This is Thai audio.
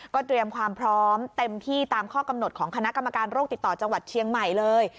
เตรียมความพร้อมเต็มที่ตามข้อกำหนดของคณะกรรมการโรคติดต่อจังหวัดเชียงใหม่เลย